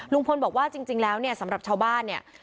ลุงพลบอกว่าจริงแล้วเนี่ยสำหรับชาวบ้านเนี่ย